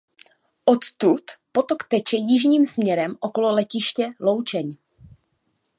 Odtud potok teče jižním směrem okolo letiště Loučeň.